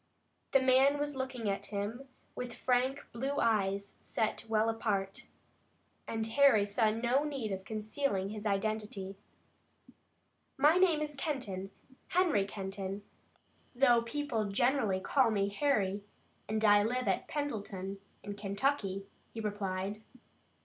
The man was looking at him with frank blue eyes set well apart, and Harry saw no need of concealing his identity. "My name is Kenton, Henry Kenton though people generally call me Harry and I live at Pendleton in Kentucky," he replied.